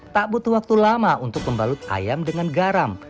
tak butuh waktu lama untuk membalut ayam dengan garam